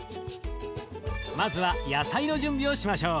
まずは野菜の準備をしましょう。